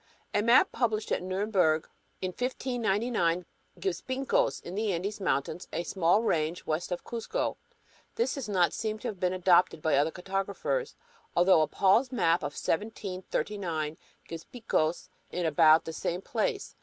A map published at Nuremberg in 1599 gives "Pincos" in the "Andes" mountains, a small range west of "Cusco." This does not seem to have been adopted by other cartographers; although a Palls map of 1739 gives "Picos" in about the same place.